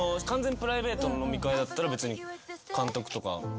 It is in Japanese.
完全プライベートの飲み会だったら別に監督とか。